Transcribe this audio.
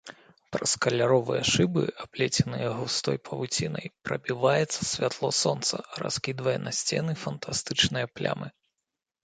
Праз каляровыя шыбы, аплеценыя густой павуцінай, прабіваецца святло сонца, раскідвае на сцены фантастычныя плямы.